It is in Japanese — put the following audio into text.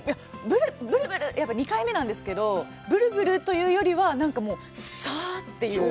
ぶるぶる、２回目なんですけど、ぶるぶるというよりはさーっていう。